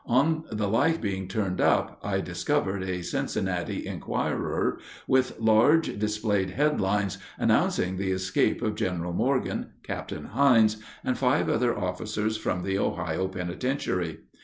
On the light being turned up I discovered a Cincinnati "Enquirer" with large displayed head lines, announcing the escape of General Morgan, Captain Hines, and five other officers from the Ohio penitentiary.